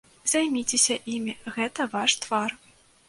Займіцеся імі, гэта ваш твар.